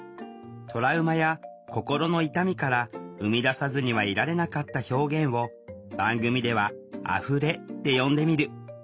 トラウマや心の痛みから生み出さずにはいられなかった表現を番組では「あふれ」って呼んでみる。